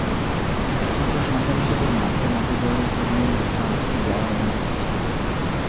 একমাত্র সন্তান হিসেবে মাকে মাটি দেওয়ার জন্য ট্রানস্কি যাওয়ার অনুমতি চান।